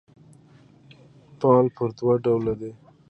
فعل پر دوه ډوله دئ.